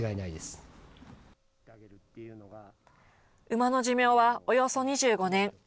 馬の寿命はおよそ２５年。